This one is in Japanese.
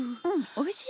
おいしい。